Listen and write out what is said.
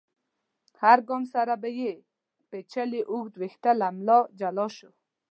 له هر ګام سره به يې پيچلي اوږده ويښته له ملا جلا شول.